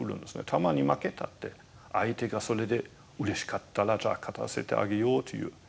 たまに負けたって相手がそれでうれしかったらじゃあ勝たせてあげようという。